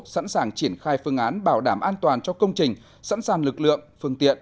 sẵn sàng triển khai phương án bảo đảm an toàn cho công trình sẵn sàng lực lượng phương tiện